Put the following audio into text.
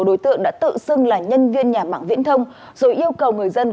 đối tượng đã tự xưng là nhân viên nhà mạng viễn thông rồi yêu cầu người dân